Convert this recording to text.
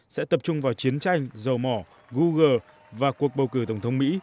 sẽ tập trung vào chiến tranh dầu mỏ google và cuộc bầu cử tổng thống mỹ